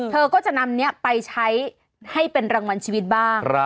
เธอก็จะนำนี้ไปใช้ให้เป็นรางวัลชีวิตบ้าง